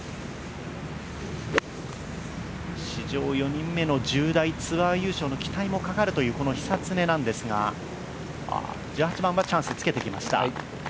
史上４人目の１０代ツアー優勝の期待もかかるというこの久常なんですが、１８番はチャンスにつけてきました。